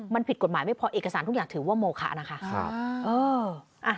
มันผิดกฎหมายไม่พอเอกสารทุกอย่างถือว่าโมคะนะคะ